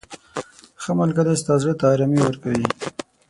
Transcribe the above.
• ښه ملګری ستا زړه ته ارامي ورکوي.